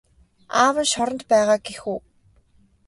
Аав нь шоронд байгаа гэх үү?